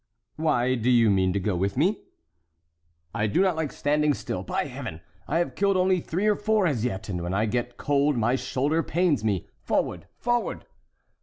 "Why, do you mean to go with me?" "I do not like standing still, by Heaven! I have killed only three or four as yet, and when I get cold my shoulder pains me. Forward! forward!"